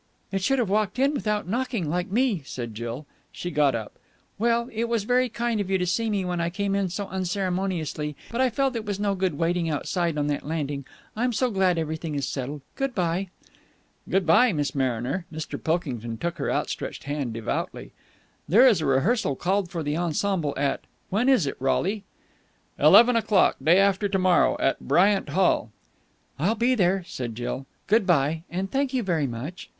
"It should have walked in without knocking, like me," said Jill. She got up. "Well, it was very kind of you to see me when I came in so unceremoniously. But I felt it was no good waiting outside on that landing. I'm so glad everything is settled. Good bye." "Good bye, Miss Mariner." Mr. Pilkington took her outstretched hand devoutly. "There is a rehearsal called for the ensemble at when is it, Rolie?" "Eleven o'clock, day after to morrow, at Bryant Hall." "I'll be there," said Jill. "Good bye, and thank you very much."